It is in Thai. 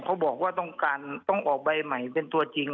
เขาบอกว่าต้องการต้องออกใบใหม่เป็นตัวจริง